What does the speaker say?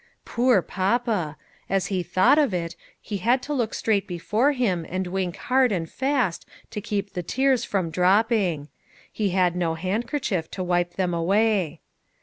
Poor papa ! as he thought of it, he had to look straight before him and wink hard and fast to keep the tears from dropping ; he had no handkerchief to wipe them away.